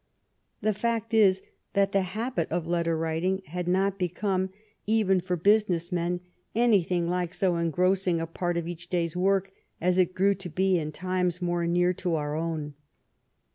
The fact is that the habit of letter writing had not become, even for busi 184 *'THE TRIVIAL ROUND— THE COMMON TASK" ness men, anything like so engrossing a part of each day's work as it grew to be in times more near to our own.